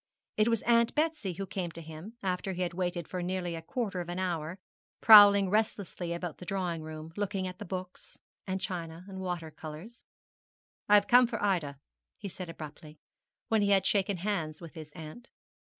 It was Aunt Betsy who came to him, after he had waited for nearly a quarter of an hour, prowling restlessly about the drawing room, looking at the books, and china, and water colours. 'I have come for Ida,' he said abruptly, when he had shaken hands with his aunt.